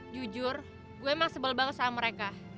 jujur gue emang sebel banget sama mereka